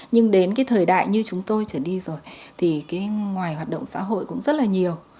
nhưng đến cái thời đại như chúng tôi trở đi rồi thì ngoài hoạt động xã hội cũng rất là nhiều